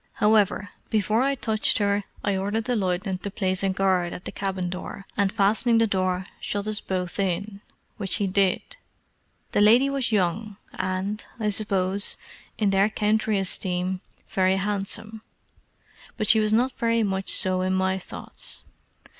However, before I touched her, I ordered the lieutenant to place a guard at the cabin door, and fastening the door, shut us both in, which he did. The lady was young, and, I suppose, in their country esteem, very handsome, but she was not very much so in my thoughts.